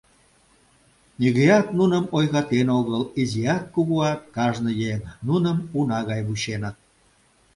Нигӧат нуным ойгатен огыл, изиат-кугуат — кажне еҥ нуным уна гай вученыт.